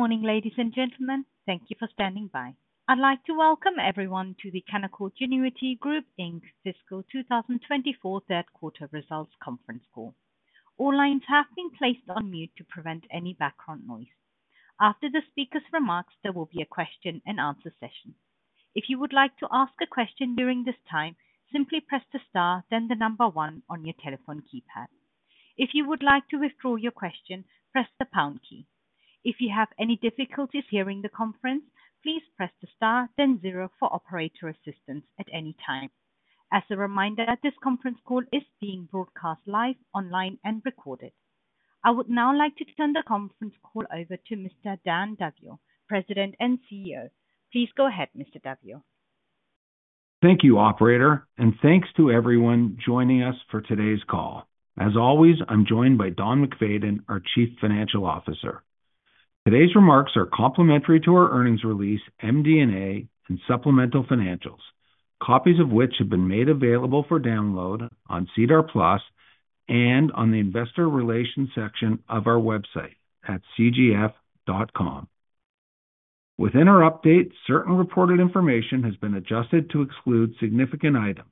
Good morning, ladies and gentlemen. Thank you for standing by. I'd like to welcome everyone to the Canaccord Genuity Group Inc. Fiscal 2024 Third Quarter Results Conference Call. All lines have been placed on mute to prevent any background noise. After the speaker's remarks, there will be a question and answer session. If you would like to ask a question during this time, simply press the star, then the number one on your telephone keypad. If you would like to withdraw your question, press the pound key. If you have any difficulties hearing the conference, please press the star, then zero for operator assistance at any time. As a reminder, this conference call is being broadcast live, online, and recorded. I would now like to turn the conference call over to Mr. Dan Daviau, President and CEO. Please go ahead, Mr. Daviau. Thank you, operator, and thanks to everyone joining us for today's call. As always, I'm joined by Don MacFayden, our Chief Financial Officer. Today's remarks are complementary to our earnings release, MD&A, and supplemental financials, copies of which have been made available for download on SEDAR+ and on the investor relations section of our website at cgf.com. Within our update, certain reported information has been adjusted to exclude significant items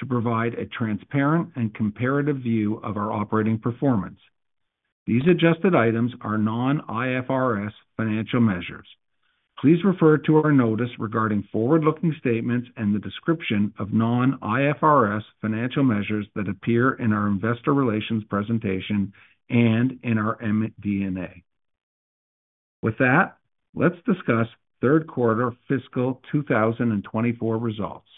to provide a transparent and comparative view of our operating performance. These adjusted items are non-IFRS financial measures. Please refer to our notice regarding forward-looking statements and the description of non-IFRS financial measures that appear in our investor relations presentation and in our MD&A. With that, let's discuss third quarter fiscal 2024 results.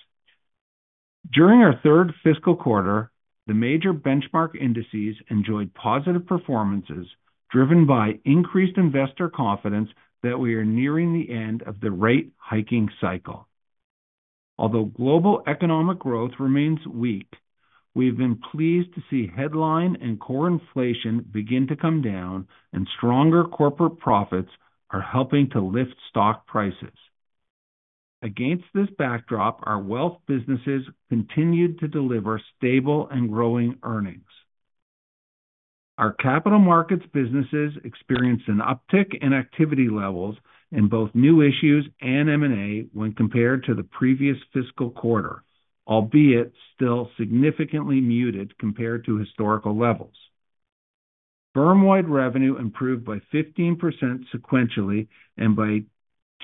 During our third fiscal quarter, the major benchmark indices enjoyed positive performances, driven by increased investor confidence that we are nearing the end of the rate hiking cycle. Although global economic growth remains weak, we've been pleased to see headline and core inflation begin to come down, and stronger corporate profits are helping to lift stock prices. Against this backdrop, our wealth businesses continued to deliver stable and growing earnings. Our capital markets businesses experienced an uptick in activity levels in both new issues and M&A when compared to the previous fiscal quarter, albeit still significantly muted compared to historical levels. Firm-wide revenue improved by 15% sequentially and by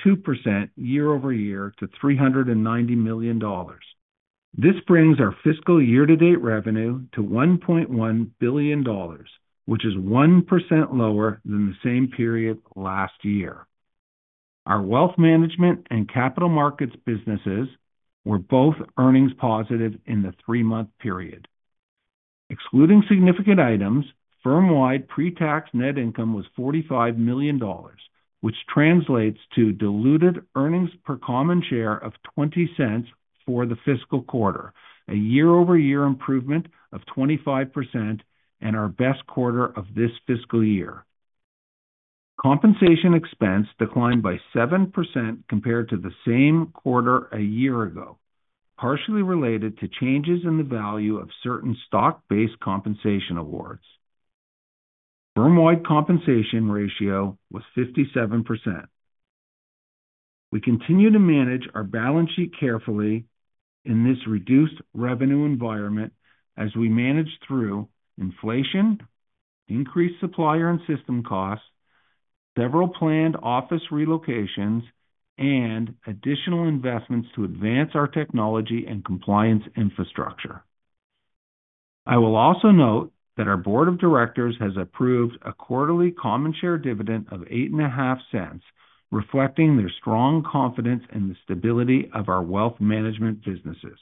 2% year-over-year to 390 million dollars. This brings our fiscal year-to-date revenue to 1.1 billion dollars, which is 1% lower than the same period last year. Our wealth management and capital markets businesses were both earnings positive in the three-month period. Excluding significant items, firm-wide pre-tax net income was $45 million, which translates to diluted earnings per common share of $0.20 for the fiscal quarter, a year-over-year improvement of 25% and our best quarter of this fiscal year. Compensation expense declined by 7% compared to the same quarter a year ago, partially related to changes in the value of certain stock-based compensation awards. Firm-wide compensation ratio was 57%. We continue to manage our balance sheet carefully in this reduced revenue environment as we manage through inflation, increased supplier and system costs, several planned office relocations, and additional investments to advance our technology and compliance infrastructure. I will also note that our board of directors has approved a quarterly common share dividend of 0.085, reflecting their strong confidence in the stability of our wealth management businesses.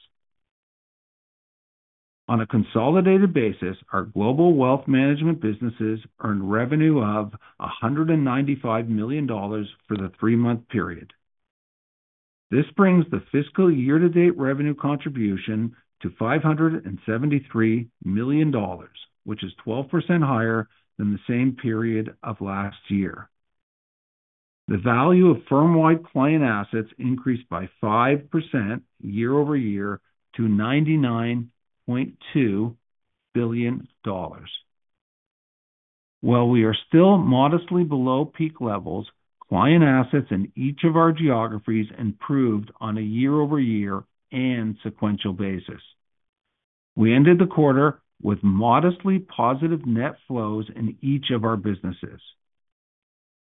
On a consolidated basis, our global wealth management businesses earned revenue of 195 million dollars for the three-month period. This brings the fiscal year-to-date revenue contribution to 573 million dollars, which is 12% higher than the same period of last year. The value of firm-wide client assets increased by 5% year-over-year to 99.2 billion dollars. While we are still modestly below peak levels, client assets in each of our geographies improved on a year-over-year and sequential basis. We ended the quarter with modestly positive net flows in each of our businesses.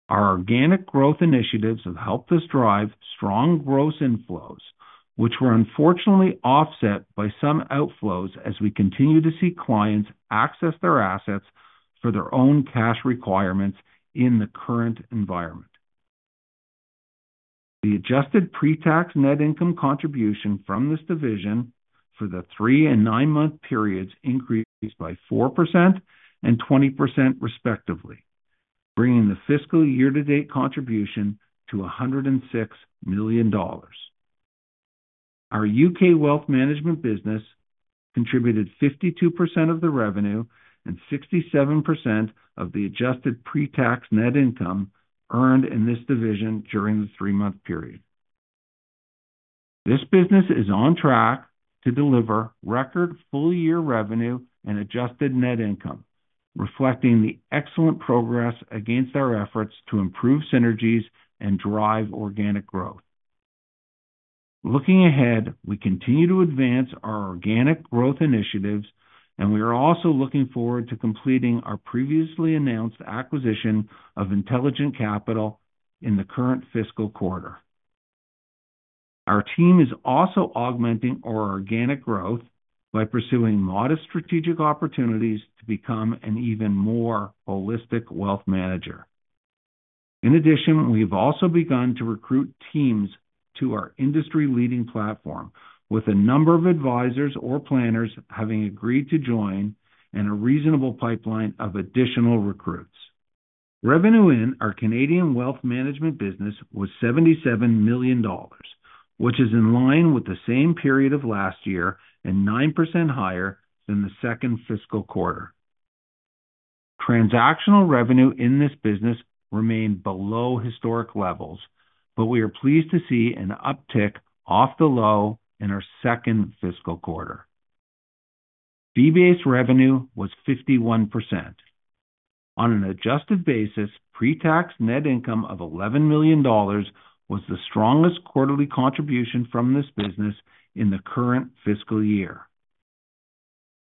Our organic growth initiatives have helped us drive strong gross inflows, which were unfortunately offset by some outflows as we continue to see clients access their assets for their own cash requirements in the current environment. The adjusted pre-tax net income contribution from this division for the 3- and 9-month periods increased by 4% and 20%, respectively, bringing the fiscal year-to-date contribution to 106 million dollars. Our UK wealth management business contributed 52% of the revenue and 67% of the adjusted pre-tax net income earned in this division during the 3-month period. This business is on track to deliver record full-year revenue and adjusted net income, reflecting the excellent progress against our efforts to improve synergies and drive organic growth. Looking ahead, we continue to advance our organic growth initiatives, and we are also looking forward to completing our previously announced acquisition of Intelligent Capital in the current fiscal quarter. Our team is also augmenting our organic growth by pursuing modest strategic opportunities to become an even more holistic wealth manager. In addition, we've also begun to recruit teams to our industry-leading platform, with a number of advisors or planners having agreed to join and a reasonable pipeline of additional recruits. Revenue in our Canadian wealth management business was 77 million dollars, which is in line with the same period of last year and 9% higher than the second fiscal quarter. Transactional revenue in this business remained below historic levels, but we are pleased to see an uptick off the low in our second fiscal quarter. Fee-based revenue was 51%. On an adjusted basis, pre-tax net income of 11 million dollars was the strongest quarterly contribution from this business in the current fiscal year.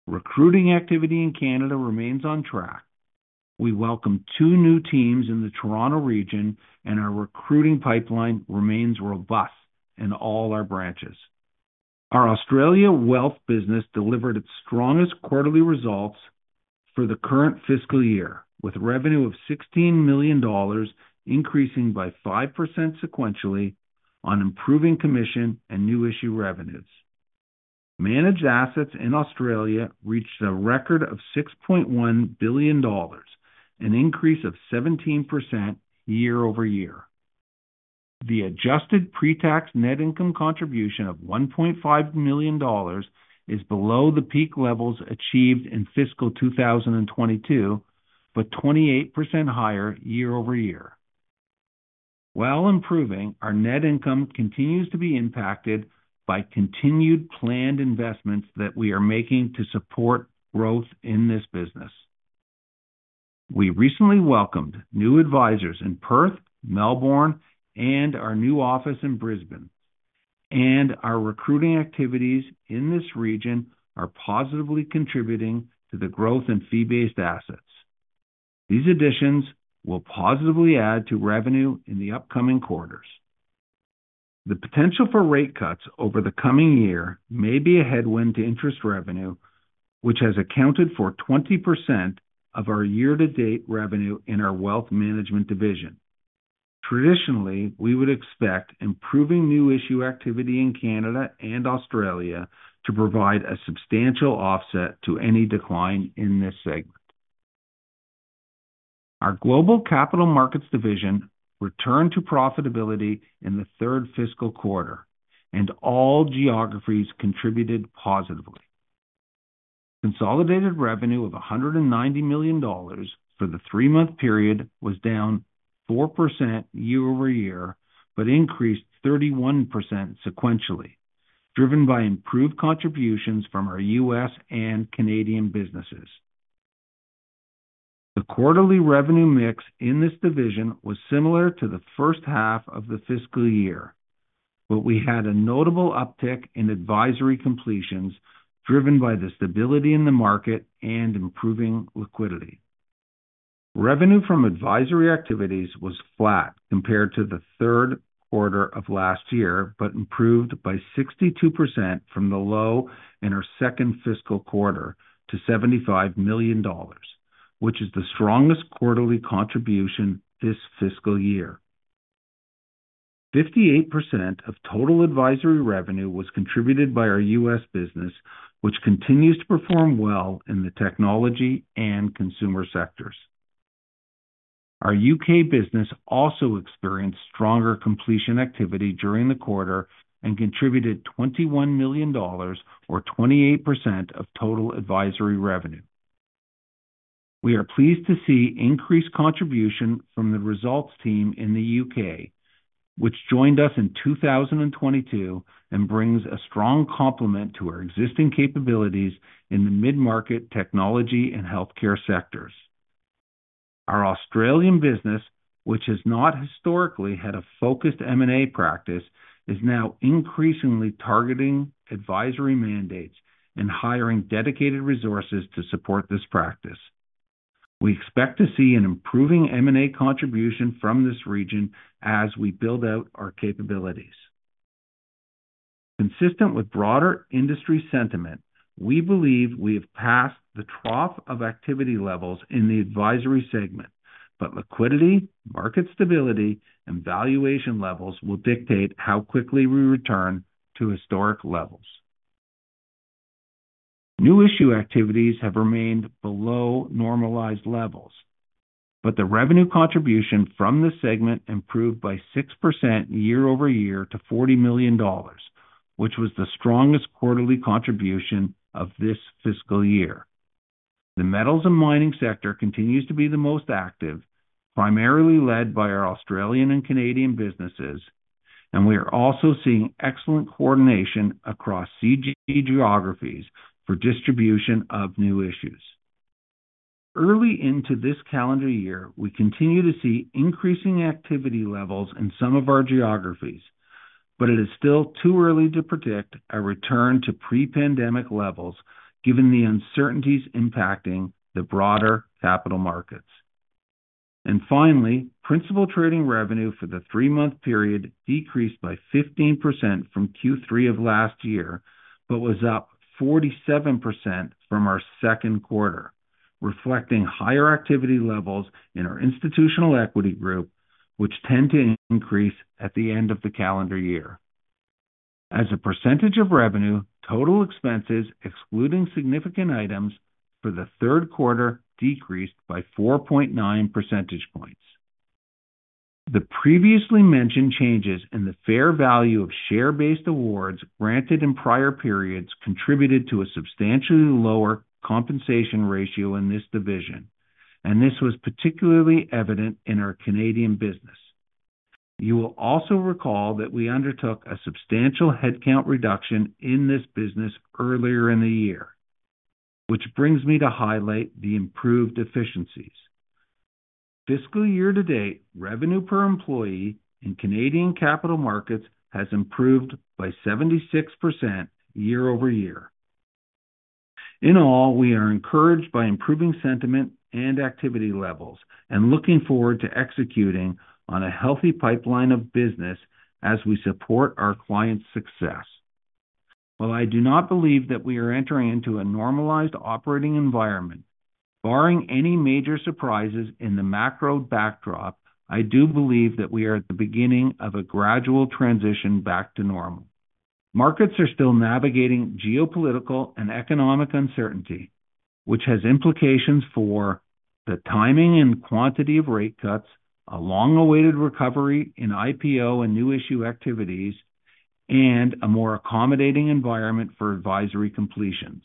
Recruiting activity in Canada remains on track. We welcomed two new teams in the Toronto region, and our recruiting pipeline remains robust in all our branches. Our Australia wealth business delivered its strongest quarterly results for the current fiscal year, with revenue of 16 million dollars, increasing by 5% sequentially on improving commission and new issue revenues. Managed assets in Australia reached a record of 6.1 billion dollars, an increase of 17% year-over-year. The adjusted pre-tax net income contribution of 1.5 million dollars is below the peak levels achieved in fiscal 2022, but 28% higher year-over-year. While improving, our net income continues to be impacted by continued planned investments that we are making to support growth in this business. We recently welcomed new advisors in Perth, Melbourne, and our new office in Brisbane, and our recruiting activities in this region are positively contributing to the growth in fee-based assets. These additions will positively add to revenue in the upcoming quarters. The potential for rate cuts over the coming year may be a headwind to interest revenue, which has accounted for 20% of our year-to-date revenue in our wealth management division. Traditionally, we would expect improving new issue activity in Canada and Australia to provide a substantial offset to any decline in this segment. Our global capital markets division returned to profitability in the third fiscal quarter, and all geographies contributed positively. Consolidated revenue of 190 million dollars for the three-month period was down 4% year-over-year, but increased 31% sequentially, driven by improved contributions from our U.S. and Canadian businesses. The quarterly revenue mix in this division was similar to the first half of the fiscal year, but we had a notable uptick in advisory completions, driven by the stability in the market and improving liquidity. Revenue from advisory activities was flat compared to the third quarter of last year, but improved by 62% from the low in our second fiscal quarter to 75 million dollars, which is the strongest quarterly contribution this fiscal year. 58% of total advisory revenue was contributed by our U.S. business, which continues to perform well in the technology and consumer sectors. Our UK business also experienced stronger completion activity during the quarter and contributed $21 million or 28% of total advisory revenue. We are pleased to see increased contribution from the Results team in the UK, which joined us in 2022 and brings a strong complement to our existing capabilities in the mid-market technology and healthcare sectors. Our Australian business, which has not historically had a focused M&A practice, is now increasingly targeting advisory mandates and hiring dedicated resources to support this practice. We expect to see an improving M&A contribution from this region as we build out our capabilities. Consistent with broader industry sentiment, we believe we have passed the trough of activity levels in the advisory segment, but liquidity, market stability, and valuation levels will dictate how quickly we return to historic levels. New issue activities have remained below normalized levels, but the revenue contribution from this segment improved by 6% year-over-year to 40 million dollars, which was the strongest quarterly contribution of this fiscal year. The metals and mining sector continues to be the most active, primarily led by our Australian and Canadian businesses, and we are also seeing excellent coordination across CG geographies for distribution of new issues. Early into this calendar year, we continue to see increasing activity levels in some of our geographies, but it is still too early to predict a return to pre-pandemic levels given the uncertainties impacting the broader capital markets. And finally, principal trading revenue for the three-month period decreased by 15% from Q3 of last year, but was up 47% from our second quarter, reflecting higher activity levels in our institutional equity group, which tend to increase at the end of the calendar year. As a percentage of revenue, total expenses, excluding significant items for the third quarter, decreased by 4.9 percentage points. The previously mentioned changes in the fair value of share-based awards granted in prior periods contributed to a substantially lower compensation ratio in this division, and this was particularly evident in our Canadian business. You will also recall that we undertook a substantial headcount reduction in this business earlier in the year, which brings me to highlight the improved efficiencies. Fiscal year to date, revenue per employee in Canadian capital markets has improved by 76% year-over-year. In all, we are encouraged by improving sentiment and activity levels and looking forward to executing on a healthy pipeline of business as we support our clients' success. While I do not believe that we are entering into a normalized operating environment, barring any major surprises in the macro backdrop, I do believe that we are at the beginning of a gradual transition back to normal. Markets are still navigating geopolitical and economic uncertainty, which has implications for the timing and quantity of rate cuts, a long-awaited recovery in IPO and new issue activities, and a more accommodating environment for advisory completions.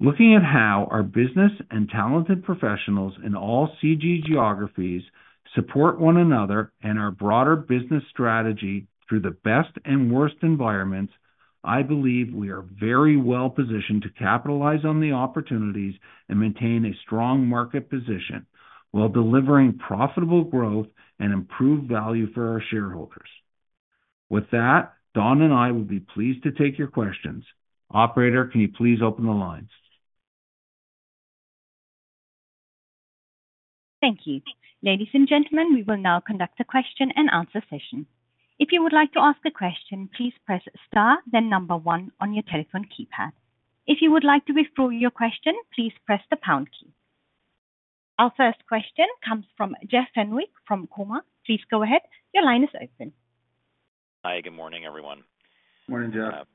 Looking at how our business and talented professionals in all CG geographies support one another and our broader business strategy through the best and worst environments, I believe we are very well positioned to capitalize on the opportunities and maintain a strong market position while delivering profitable growth and improved value for our shareholders. With that, Don and I will be pleased to take your questions. Operator, can you please open the lines? Thank you. Ladies and gentlemen, we will now conduct a question-and-answer session. If you would like to ask a question, please press star, then number one on your telephone keypad. If you would like to withdraw your question, please press the pound key. Our first question comes from Jeff Fenwick from Cormark. Please go ahead. Your line is open. Hi, good morning, everyone. Morning, Jeff.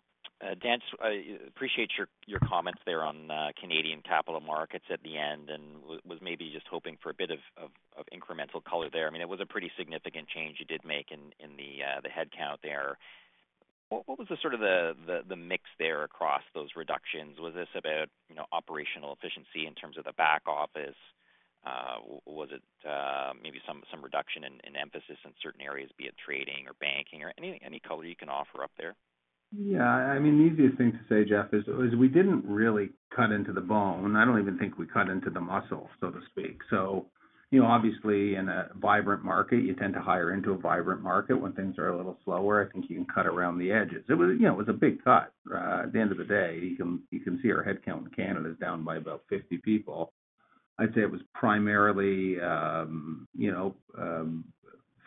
Dan, I appreciate your comments there on Canadian capital markets at the end and was maybe just hoping for a bit of incremental color there. I mean, it was a pretty significant change you did make in the headcount there. What was the sort of mix there across those reductions? Was this about, you know, operational efficiency in terms of the back office? Was it maybe some reduction in emphasis in certain areas, be it trading or banking or any color you can offer up there? Yeah, I mean, the easiest thing to say, Jeff, is we didn't really cut into the bone. I don't even think we cut into the muscle, so to speak. So, you know, obviously, in a vibrant market, you tend to hire into a vibrant market. When things are a little slower, I think you can cut around the edges. It was, you know, it was a big cut. At the end of the day, you can see our headcount in Canada is down by about 50 people. I'd say it was primarily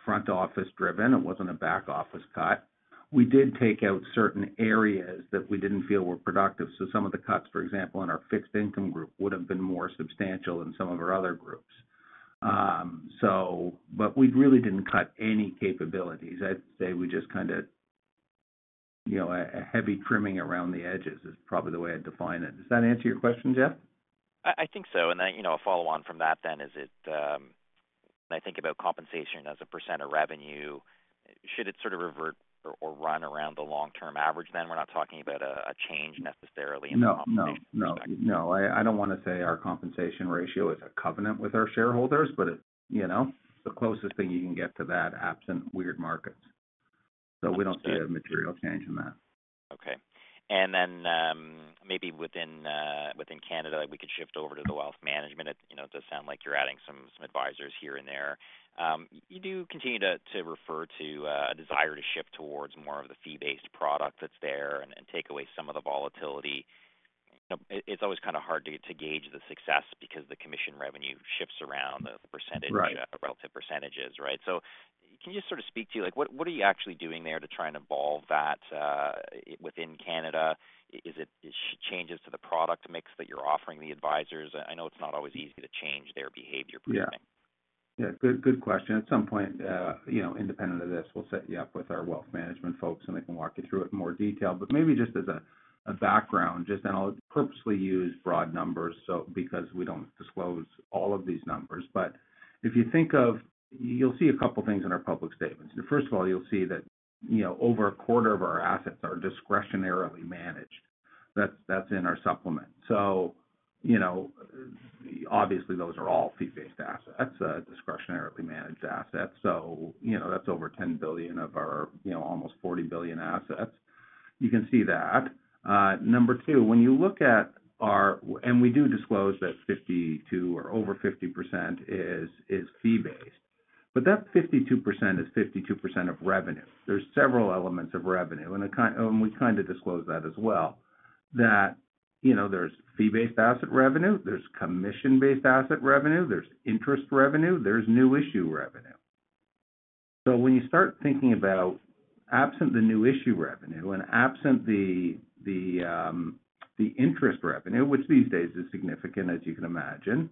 front office driven. It wasn't a back office cut. We did take out certain areas that we didn't feel were productive. So some of the cuts, for example, in our fixed income group, would have been more substantial than some of our other groups. But we really didn't cut any capabilities. I'd say we just kind of, you know, a heavy trimming around the edges is probably the way I'd define it. Does that answer your question, Jeff? I think so. And then, you know, a follow-on from that then, is it... When I think about compensation as a % of revenue, should it sort of revert or run around the long-term average, then? We're not talking about a change necessarily in the compensation- No, no, no. No, I don't want to say our compensation ratio is a covenant with our shareholders, but it, you know, the closest thing you can get to that, absent weird markets. So we don't see a material change in that. Okay. And then, maybe within, within Canada, we could shift over to the wealth management. It, you know, does sound like you're adding some, some advisors here and there. You do continue to, to refer to, a desire to shift towards more of the fee-based product that's there and, and take away some of the volatility. You know, it, it's always kind of hard to, to gauge the success because the commission revenue shifts around the percentage- Right. Relative percentages, right? So can you sort of speak to, like, what are you actually doing there to try and evolve that within Canada? Is it changes to the product mix that you're offering the advisors? I know it's not always easy to change their behavior per se. Yeah. Yeah, good, good question. At some point, you know, independent of this, we'll set you up with our wealth management folks, and they can walk you through it in more detail. But maybe just as a background, and I'll purposely use broad numbers, so, because we don't disclose all of these numbers. But if you think of, you'll see a couple of things in our public statements. First of all, you'll see that, you know, over a quarter of our assets are discretionarily managed. That's in our supplement. So, you know, obviously, those are all fee-based assets, discretionarily managed assets. So, you know, that's over 10 billion of our, you know, almost 40 billion assets. You can see that. Number two, when you look at our... We do disclose that 52 or over 50% is fee-based, but that 52% is 52% of revenue. There's several elements of revenue, and we kind of disclose that as well, that, you know, there's fee-based asset revenue, there's commission-based asset revenue, there's interest revenue, there's new issue revenue. So when you start thinking about absent the new issue revenue and absent the interest revenue, which these days is significant, as you can imagine.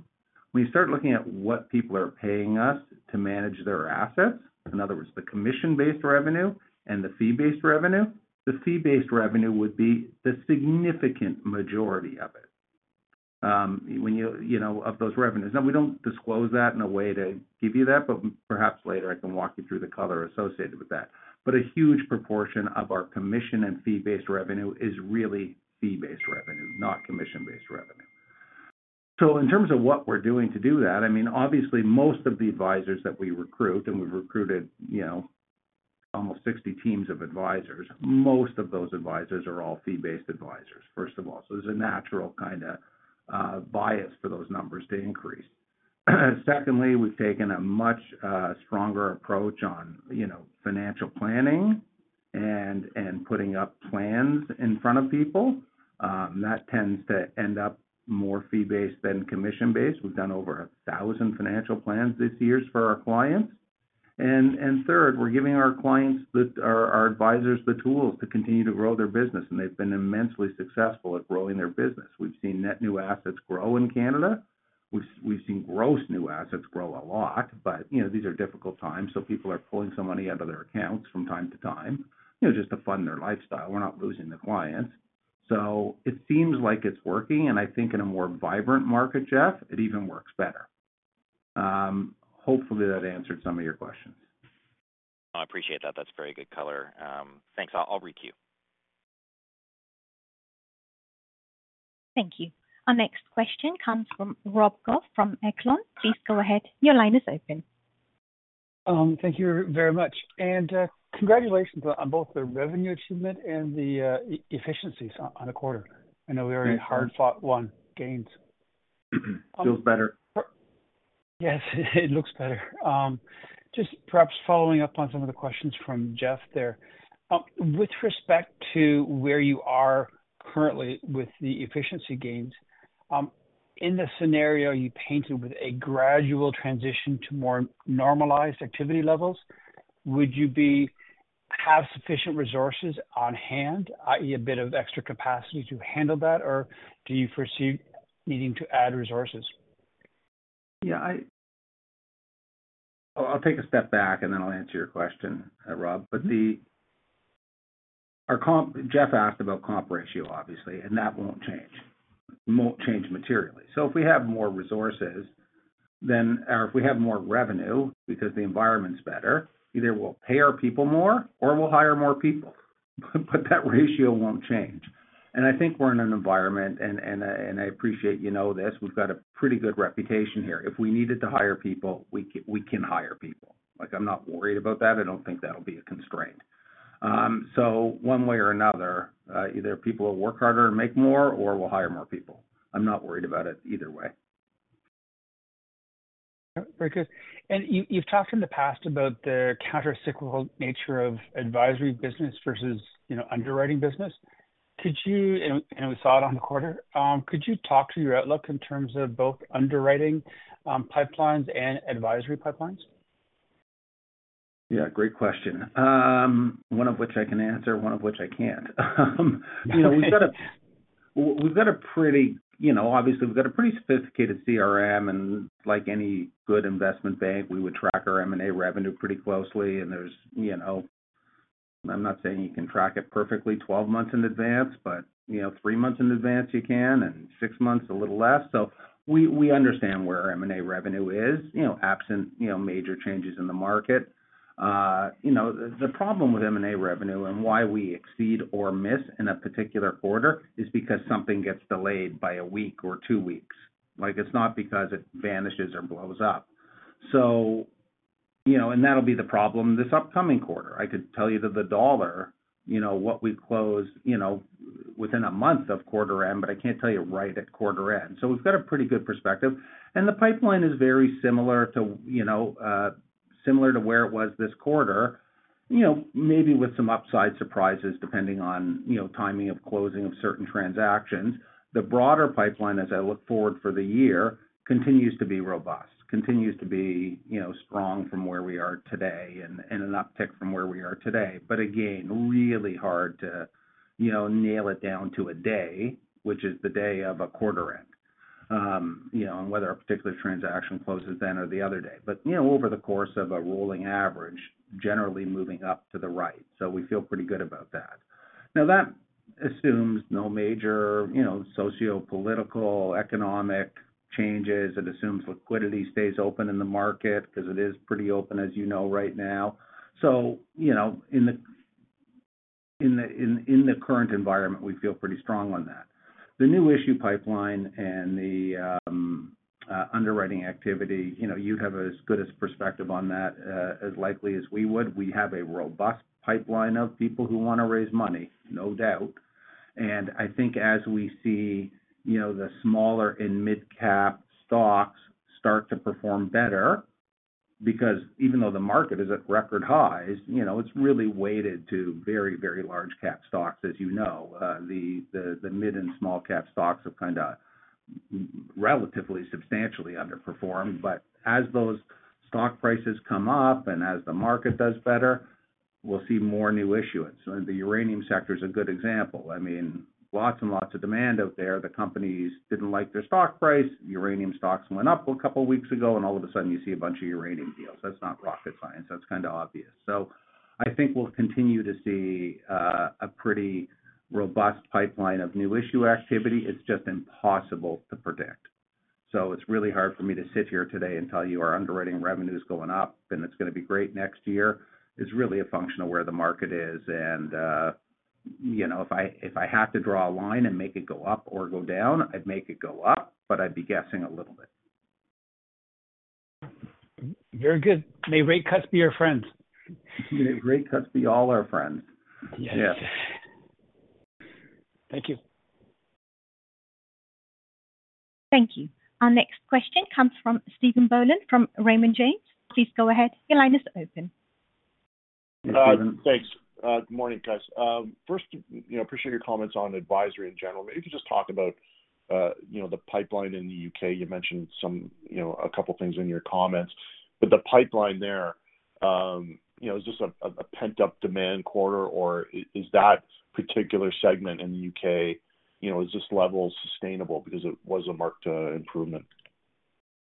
When you start looking at what people are paying us to manage their assets, in other words, the commission-based revenue and the fee-based revenue, the fee-based revenue would be the significant majority of it, when you, you know, of those revenues. Now, we don't disclose that in a way to give you that, but perhaps later I can walk you through the color associated with that. But a huge proportion of our commission and fee-based revenue is really fee-based revenue, not commission-based revenue. So in terms of what we're doing to do that, I mean, obviously, most of the advisors that we recruit, and we've recruited, you know, almost 60 teams of advisors, most of those advisors are all fee-based advisors, first of all. So there's a natural kind of bias for those numbers to increase. Secondly, we've taken a much stronger approach on, you know, financial planning and putting up plans in front of people. That tends to end up more fee-based than commission-based. We've done over 1,000 financial plans this year for our clients. Third, we're giving our clients, our advisors the tools to continue to grow their business, and they've been immensely successful at growing their business. We've seen net new assets grow in Canada. We've seen gross new assets grow a lot, but you know, these are difficult times, so people are pulling some money out of their accounts from time to time, you know, just to fund their lifestyle. We're not losing the clients. So it seems like it's working, and I think in a more vibrant market, Jeff, it even works better. Hopefully, that answered some of your questions. I appreciate that. That's very good color. Thanks. I'll requeue. Thank you. Our next question comes from Rob Goff from Echelon. Please go ahead. Your line is open. Thank you very much. And, congratulations on both the revenue achievement and the efficiencies on the quarter. I know we very hard-fought-won gains. feels better. Yes, it looks better. Just perhaps following up on some of the questions from Jeff there. With respect to where you are currently with the efficiency gains, in the scenario you painted with a gradual transition to more normalized activity levels, would you have sufficient resources on hand, i.e., a bit of extra capacity to handle that, or do you foresee needing to add resources? Yeah, well, I'll take a step back, and then I'll answer your question, Rob. But our comp ratio, Jeff asked about comp ratio, obviously, and that won't change. It won't change materially. So if we have more resources, then if we have more revenue because the environment's better, either we'll pay our people more or we'll hire more people, but that ratio won't change. And I think we're in an environment, and I appreciate you know this, we've got a pretty good reputation here. If we needed to hire people, we can hire people. Like, I'm not worried about that. I don't think that'll be a constraint. So one way or another, either people will work harder and make more, or we'll hire more people. I'm not worried about it either way. Very good. You, you've talked in the past about the countercyclical nature of advisory business versus, you know, underwriting business. And we saw it on the quarter. Could you talk to your outlook in terms of both underwriting pipelines and advisory pipelines? Yeah, great question. One of which I can answer, one of which I can't. You know, we've got a pretty sophisticated CRM, and like any good investment bank, we would track our M&A revenue pretty closely, and there's, you know... I'm not saying you can track it perfectly twelve months in advance, but, you know, three months in advance, you can, and six months, a little less. So we understand where our M&A revenue is, you know, absent major changes in the market. You know, the problem with M&A revenue and why we exceed or miss in a particular quarter is because something gets delayed by a week or two weeks. Like, it's not because it vanishes or blows up. So, you know, and that'll be the problem this upcoming quarter. I could tell you that the dollar, you know, what we close, you know, within a month of quarter end, but I can't tell you right at quarter end. So we've got a pretty good perspective, and the pipeline is very similar to, you know, similar to where it was this quarter, you know, maybe with some upside surprises, depending on, you know, timing of closing of certain transactions. The broader pipeline, as I look forward for the year, continues to be robust, continues to be, you know, strong from where we are today and, and an uptick from where we are today. But again, really hard to, you know, nail it down to a day, which is the day of a quarter end, you know, and whether a particular transaction closes then or the other day. You know, over the course of a rolling average, generally moving up to the right, so we feel pretty good about that. Now, that assumes no major, you know, sociopolitical, economic changes. It assumes liquidity stays open in the market because it is pretty open, as you know, right now. So, you know, in the current environment, we feel pretty strong on that. The new issue pipeline and the underwriting activity, you know, you have as good a perspective on that as we would. We have a robust pipeline of people who want to raise money, no doubt. And I think as we see, you know, the smaller and mid-cap stocks start to perform better, because even though the market is at record highs, you know, it's really weighted to very, very large cap stocks, as you know. The mid and small cap stocks have kinda, relatively, substantially underperformed. But as those stock prices come up and as the market does better, we'll see more new issuance. The uranium sector is a good example. I mean, lots and lots of demand out there. The companies didn't like their stock price. Uranium stocks went up a couple of weeks ago, and all of a sudden you see a bunch of uranium deals. That's not rocket science. That's kind of obvious. So I think we'll continue to see a pretty robust pipeline of new issue activity. It's just impossible to predict. So it's really hard for me to sit here today and tell you our underwriting revenue is going up, and it's going to be great next year. It's really a function of where the market is, and, you know, if I, if I have to draw a line and make it go up or go down, I'd make it go up, but I'd be guessing a little bit. Very good. May rate cuts be our friends. May rate cuts be all our friends. Yes. Yes. Thank you. Thank you. Our next question comes from Stephen Boland, from Raymond James. Please go ahead. Your line is open. Thanks. Good morning, guys. First, you know, appreciate your comments on advisory in general. Maybe if you could just talk about, you know, the pipeline in the UK. You mentioned some, you know, a couple of things in your comments, but the pipeline there, you know, is just a pent-up demand quarter, or is that particular segment in the UK, you know, is this level sustainable? Because it was a marked improvement.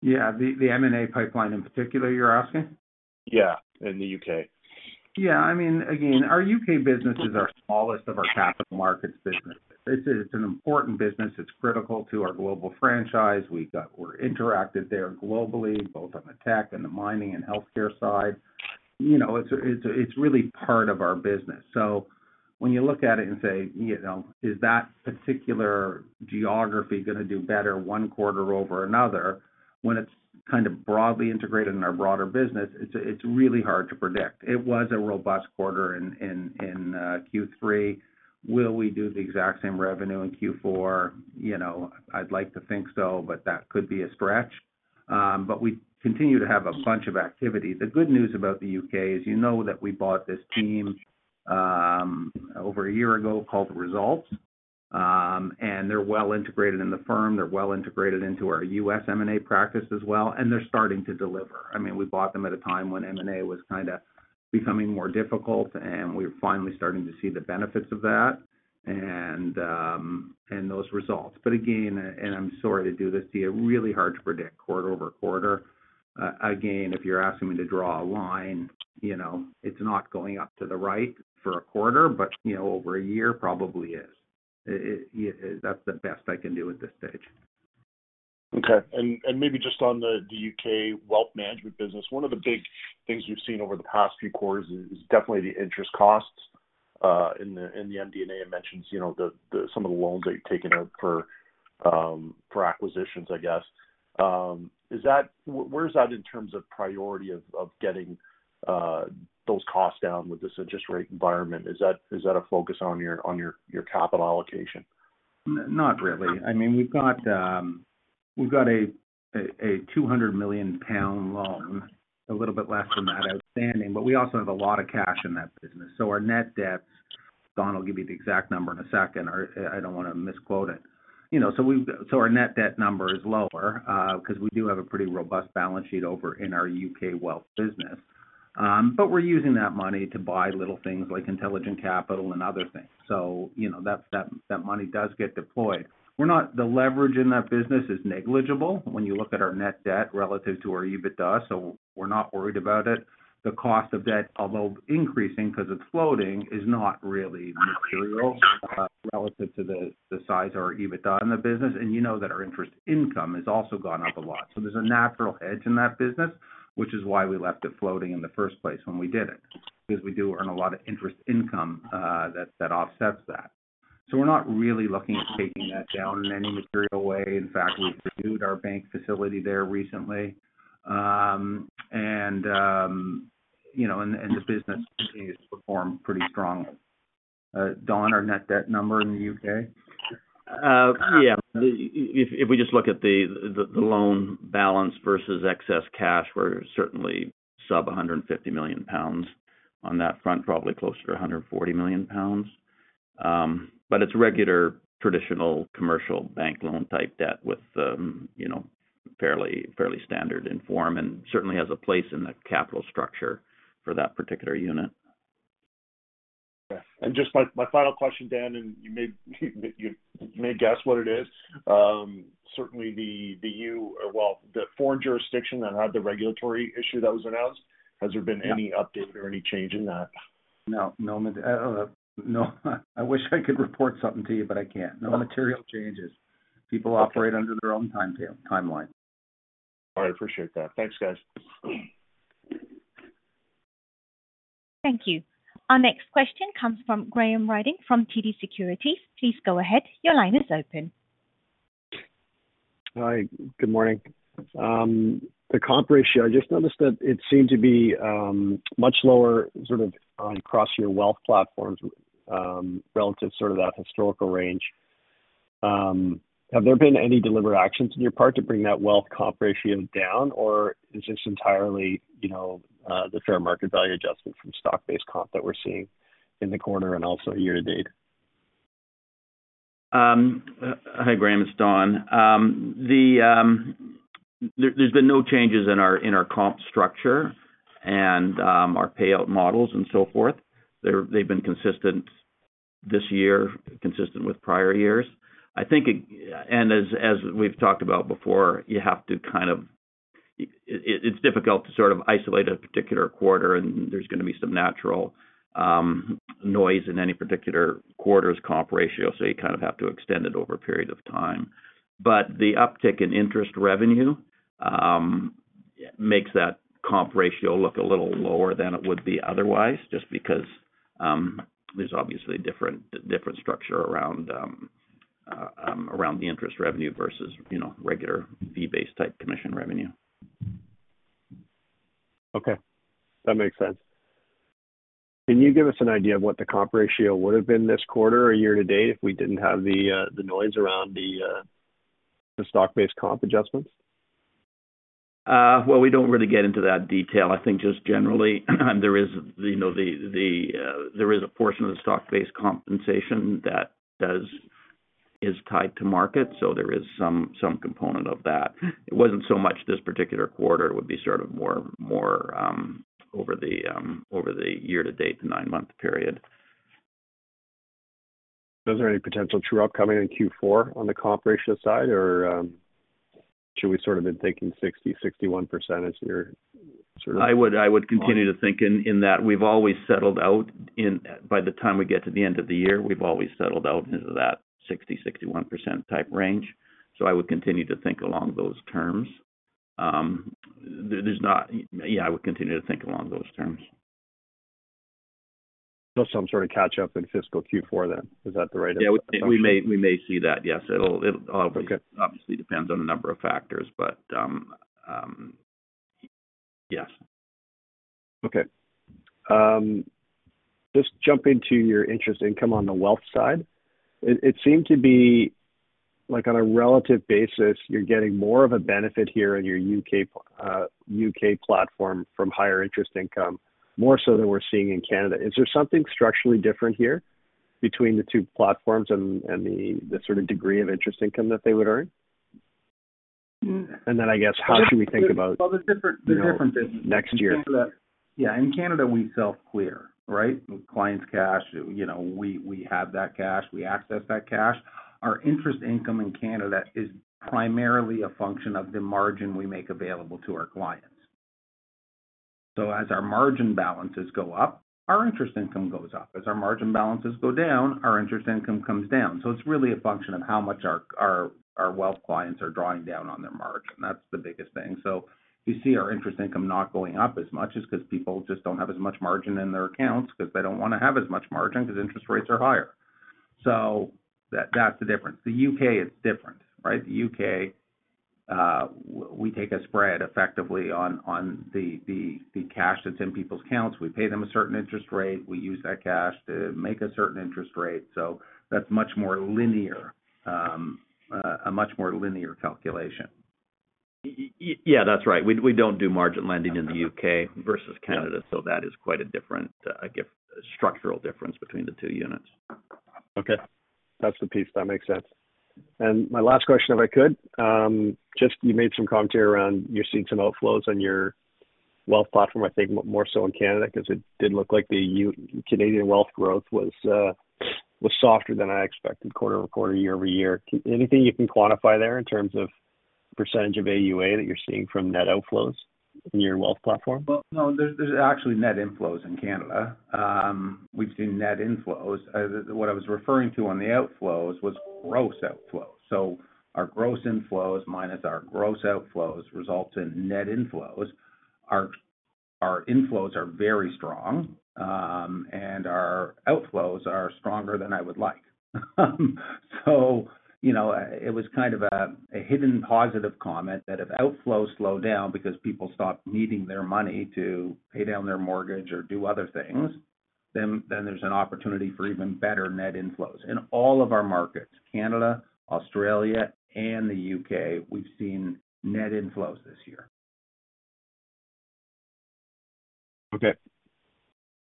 Yeah, the M&A pipeline in particular, you're asking? Yeah, in the UK. Yeah. I mean, again, our UK business is our smallest of our capital markets business. It's, it's an important business. It's critical to our global franchise. We've got, we're interactive there globally, both on the tech and the mining and healthcare side. You know, it's, it's, it's really part of our business. So when you look at it and say, you know, "Is that particular geography going to do better one quarter over another?" When it's kind of broadly integrated in our broader business, it's, it's really hard to predict. It was a robust quarter in Q3. Will we do the exact same revenue in Q4? You know, I'd like to think so, but that could be a stretch. But we continue to have a bunch of activity. The good news about the U.K. is, you know that we bought this team over a year ago called Results. And they're well integrated in the firm. They're well integrated into our U.S. M&A practice as well, and they're starting to deliver. I mean, we bought them at a time when M&A was kinda becoming more difficult, and we're finally starting to see the benefits of that and those results. But again, and I'm sorry to do this to you, really hard to predict quarter-over-quarter. Again, if you're asking me to draw a line, you know, it's not going up to the right for a quarter, but, you know, over a year probably is. It, yeah, that's the best I can do at this stage. Okay. And maybe just on the UK wealth management business, one of the big things we've seen over the past few quarters is definitely the interest costs in the MD&A. It mentions, you know, some of the loans that you've taken out for acquisitions, I guess. Is that where is that in terms of priority of getting those costs down with this interest rate environment? Is that a focus on your capital allocation? Not really. I mean, we've got a 200 million pound loan, a little bit less than that outstanding, but we also have a lot of cash in that business. So our net debt, Don, I'll give you the exact number in a second, or I don't want to misquote it. You know, so we've so our net debt number is lower, because we do have a pretty robust balance sheet over in our UK wealth business. But we're using that money to buy little things like Intelligent Capital and other things. So, you know, that money does get deployed. We're not the leverage in that business is negligible when you look at our net debt relative to our EBITDA, so we're not worried about it. The cost of debt, although increasing because it's floating, is not really material relative to the size of our EBITDA in the business, and you know that our interest income has also gone up a lot. So there's a natural hedge in that business, which is why we left it floating in the first place when we did it, because we do earn a lot of interest income that offsets that. So we're not really looking at taking that down in any material way. In fact, we've renewed our bank facility there recently, and you know, the business continues to perform pretty strongly. Don, our net debt number in the UK? Yeah. If we just look at the loan balance versus excess cash, we're certainly sub 150 million pounds on that front, probably closer to 140 million pounds. But it's regular, traditional commercial bank loan type debt with, you know, fairly standard in form, and certainly has a place in the capital structure for that particular unit. Okay. And just my final question, Dan, and you may guess what it is. Certainly, well, the foreign jurisdiction that had the regulatory issue that was announced.... Has there been any update or any change in that? No, no, no. I wish I could report something to you, but I can't. No material changes. People operate under their own timetable, timeline. All right, appreciate that. Thanks, guys. Thank you. Our next question comes from Graham Ryding from TD Securities. Please go ahead. Your line is open. Hi, good morning. The comp ratio, I just noticed that it seemed to be much lower, sort of, on across your wealth platforms, relative sort of that historical range. Have there been any deliberate actions on your part to bring that wealth comp ratio down, or is this entirely, you know, the fair market value adjustment from stock-based comp that we're seeing in the quarter and also year to date? Hi, Graham, it's Don. There's been no changes in our comp structure and our payout models and so forth. They've been consistent this year, consistent with prior years. I think, and as we've talked about before, you have to kind of. It's difficult to sort of isolate a particular quarter, and there's going to be some natural noise in any particular quarter's comp ratio, so you kind of have to extend it over a period of time. But the uptick in interest revenue makes that comp ratio look a little lower than it would be otherwise, just because there's obviously different structure around the interest revenue versus, you know, regular fee-based type commission revenue. Okay. That makes sense. Can you give us an idea of what the comp ratio would have been this quarter or year to date if we didn't have the, the noise around the, the stock-based comp adjustments? Well, we don't really get into that detail. I think just generally, there is, you know, the, the, there is a portion of the stock-based compensation that does is tied to market, so there is some component of that. It wasn't so much this particular quarter, it would be sort of more over the year to date, the nine-month period. Was there any potential true-up coming in Q4 on the comp ratio side, or, should we sort of been thinking 60, 61% as your sort of- I would continue to think in that. We've always settled out. By the time we get to the end of the year, we've always settled out into that 60, 61% type range. So I would continue to think along those terms. There's not— Yeah, I would continue to think along those terms. Some sort of catch up in fiscal Q4 then, is that the right assumption? Yeah, we may see that. Yes, it'll- Okay. Obviously depends on a number of factors, but, yes. Okay. Just jumping to your interest income on the wealth side, it seemed to be, like on a relative basis, you're getting more of a benefit here in your UK platform from higher interest income, more so than we're seeing in Canada. Is there something structurally different here between the two platforms and the sort of degree of interest income that they would earn? And then, I guess, how should we think about- Well, there's different businesses- -next year? Yeah. In Canada, we self-clear, right? Client's cash, you know, we have that cash, we access that cash. Our interest income in Canada is primarily a function of the margin we make available to our clients. So as our margin balances go up, our interest income goes up. As our margin balances go down, our interest income comes down. So it's really a function of how much our wealth clients are drawing down on their margin. That's the biggest thing. So you see our interest income not going up as much is because people just don't have as much margin in their accounts, because they don't want to have as much margin, because interest rates are higher. So that, that's the difference. The UK is different, right? The UK, we take a spread effectively on the cash that's in people's accounts. We pay them a certain interest rate. We use that cash to make a certain interest rate. So that's much more linear, a much more linear calculation. Yeah, that's right. We don't do margin lending in the UK versus Canada, so that is quite a different, I guess, structural difference between the two units. Okay. That's the piece. That makes sense. My last question, if I could, just you made some commentary around you're seeing some outflows on your wealth platform, I think more so in Canada, because it did look like the Canadian wealth growth was, was softer than I expected quarter-over-quarter, year-over-year. Anything you can quantify there in terms of percentage of AUA that you're seeing from net outflows in your wealth platform? Well, no, there's actually net inflows in Canada. We've seen net inflows. What I was referring to on the outflows was gross outflows. So our gross inflows minus our gross outflows results in net inflows. Our inflows are very strong, and our outflows are stronger than I would like. So, you know, it was kind of a hidden positive comment that if outflows slow down because people stop needing their money to pay down their mortgage or do other things, then there's an opportunity for even better net inflows. In all of our markets, Canada, Australia, and the UK, we've seen net inflows this year. Okay.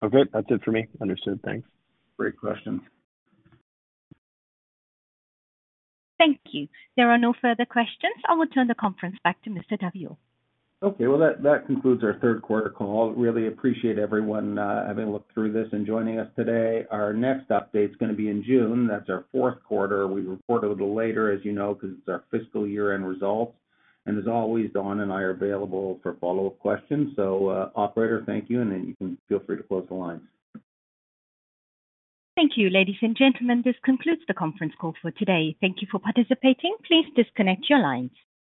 Okay, that's it for me. Understood. Thanks. Great question. Thank you. There are no further questions. I will turn the conference back to Mr. Daviau. Okay, well, that concludes our third quarter call. Really appreciate everyone having a look through this and joining us today. Our next update is going to be in June. That's our fourth quarter. We report a little later, as you know, because it's our fiscal year-end results. And as always, Don and I are available for follow-up questions. So, operator, thank you, and then you can feel free to close the lines. Thank you, ladies and gentlemen. This concludes the conference call for today. Thank you for participating. Please disconnect your lines.